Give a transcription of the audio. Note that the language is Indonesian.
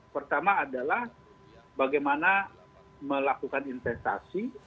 pertama adalah bagaimana melakukan investasi